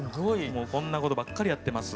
もうこんなことばっかりやってます。